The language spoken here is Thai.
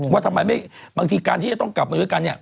ว่าทำไมบางทีการที่จะต้องกลับมาด้วยกันเนี่ย